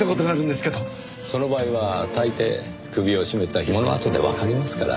その場合は大抵首を絞めたひもの痕でわかりますから。